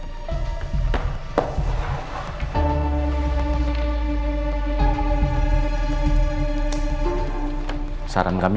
besok besok kalau bapak bertemu dengan bapak ini